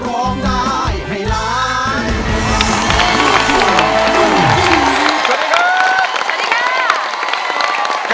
สวัสดีครับ